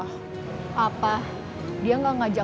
g menterimaisations ya